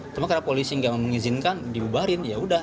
cuma karena polisi tidak mengizinkan dibubarin yaudah